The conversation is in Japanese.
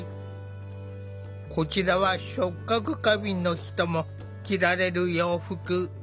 こちらは触覚過敏の人も着られる洋服。